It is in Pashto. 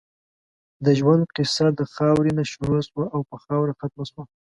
د ژؤند قیصه د خاؤرې نه شروع شوه او پۀ خاؤره ختمه شوه